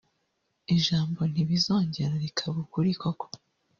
ijambo "Ntibizongera" rikaba ukuri koko